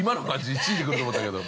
１位で来ると思ったけど。